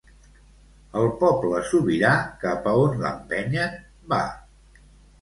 El poble sobirà cap on l'empenyen va.